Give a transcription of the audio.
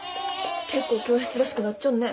結構教室らしくなっちょんね。